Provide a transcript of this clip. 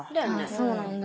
そうなんだ